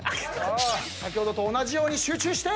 先ほどと同じように集中して。